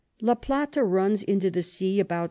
La Plata runs into the Sea about S.